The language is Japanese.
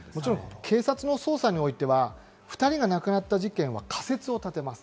警察の捜査においては、２人が亡くなった事件は仮説を立てます。